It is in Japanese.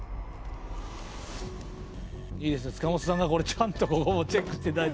いいですね塚本さんがちゃんとチェックしていただいて。